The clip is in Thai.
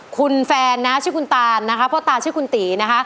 คุณแฟนนะชื่อคุณตานนะคะพ่อตาชื่อคุณตีนะคะ